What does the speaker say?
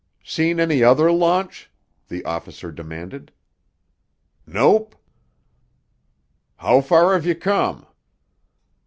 "Seen any other launch?" the officer demanded. "Nope!" "How far have you come?"